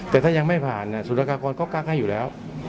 แต่ถ้ายังไม่ผ่านอ่ะสูตรหน้ากากรก็กล้างให้อยู่แล้ว